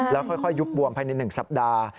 แล้วค่อยยุบบวมภายใน๑สัปดาห์